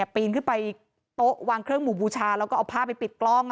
ปีนขึ้นไปโต๊ะวางเครื่องหมู่บูชาแล้วก็เอาผ้าไปปิดกล้อง